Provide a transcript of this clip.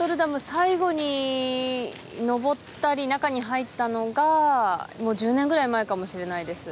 最後に上ったり中に入ったのがもう１０年ぐらい前かもしれないです